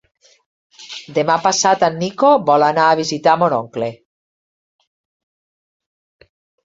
Demà passat en Nico vol anar a visitar mon oncle.